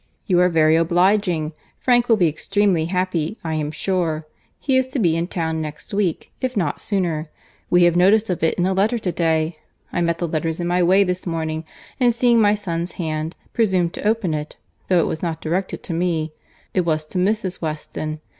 "You are very obliging.—Frank will be extremely happy, I am sure.— He is to be in town next week, if not sooner. We have notice of it in a letter to day. I met the letters in my way this morning, and seeing my son's hand, presumed to open it—though it was not directed to me—it was to Mrs. Weston.